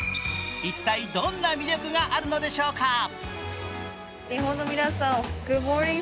一体どんな魅力があるのでしょうか。